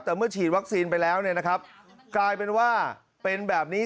แต่เมื่อฉีดวัคซีนไปแล้วเนี่ยนะครับกลายเป็นว่าเป็นแบบนี้